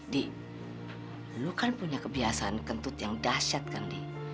di lu kan punya kebiasaan kentut yang dahsyat kan di